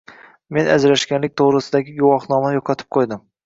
Men ajrashganlik to‘g‘risidagi guvohnomani yo‘qotib qo‘ydim.